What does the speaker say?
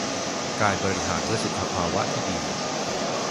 กายบริหารเพื่อสุขภาวะที่ดี